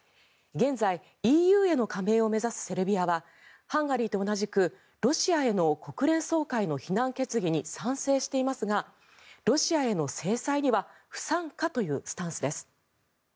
現在、ＥＵへの加盟を目指すセルビアはハンガリーと同じくロシアへの国連総会の非難決議に賛成していますがロシアへの制裁には不参加というスタンスです。